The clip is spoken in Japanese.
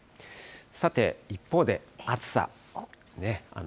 さて、一方で暑さね。